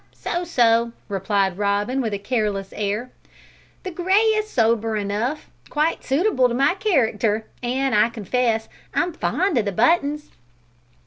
"So so," replied Robin, with a careless air; "the grey is sober enough quite suitable to my character an' I confess I'm fond o' the buttons."